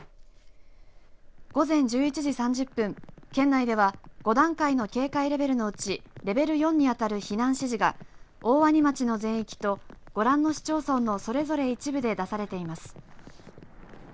午前１１時３０分県内では５段階の警戒レベルのうちレベル４に当たる避難指示が大鰐町の全域とご覧の市町村のそれぞれ一部で出されています。